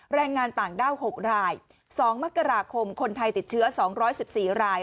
แรงงานต่างด้าว๖ราย๒มกราคมคนไทยติดเชื้อ๒๑๔ราย